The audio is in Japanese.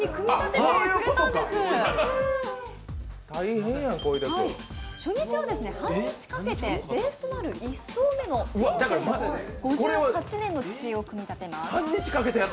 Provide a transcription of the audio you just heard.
大変やん、小出君。初日は半日かけてベースとなる１層目の１９５８年の地形を組み立てます。